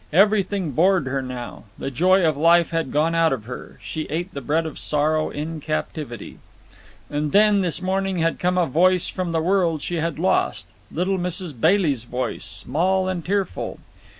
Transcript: Everything bored her now. The joy of life had gone out of her. She ate the bread of sorrow in captivity. And then, this morning, had come a voice from the world she had lost—little Mrs. Bailey's voice, small and tearful.